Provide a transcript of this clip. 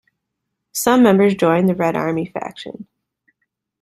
Some members joined the Red Army Faction.